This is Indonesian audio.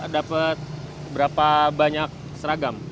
dapet berapa banyak seragam